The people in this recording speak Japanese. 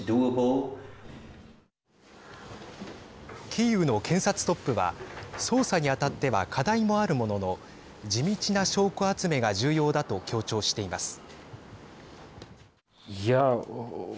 キーウの検察トップは捜査にあたっては課題もあるものの地道な証拠集めが重要だと強調しています。